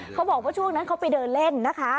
เขาบอกว่าช่วงนั้นเขาไปเดินเล่นนะคะ